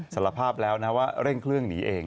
สารภาพแล้วนะว่าเร่งเครื่องหนีเอง